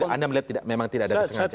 anda melihat memang tidak ada kesengajaan